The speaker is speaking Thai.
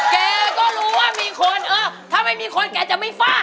แกก็รู้ว่ามีคนเออถ้าไม่มีคนแกจะไม่ฟาด